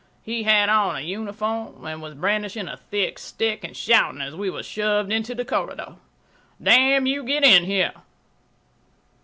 He had on a uniform and was brandishing a thick stick and shouting as we were shoved into the corridor, "Damn you, get in here."